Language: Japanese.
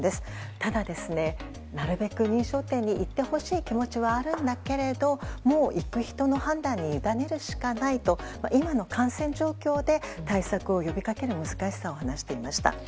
ただ、なるべく認証店に行ってほしい気持ちはあるんだけれどもう行く人の判断にゆだねるしかないと今の感染状況で対策を呼び掛ける難しさを話していました。